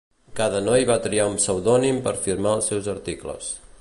Cada noi va triar un pseudònim per firmar els seus articles.